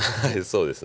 そうです。